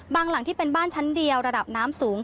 หลังที่เป็นบ้านชั้นเดียวระดับน้ำสูง